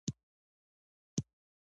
دوی ټراکټورونه او بسونه جوړوي.